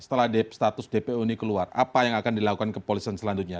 setelah status dpo ini keluar apa yang akan dilakukan kepolisian selanjutnya